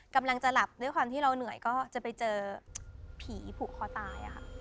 กำลังจะหลับด้วยความที่เราเหนื่อยก็จะไปเจอผีผูกคอตาย